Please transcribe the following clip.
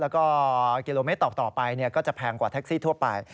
แล้วก็กิโลเมตรต่อไปก็จะแพงกว่าแท็กซี่ทั่วไป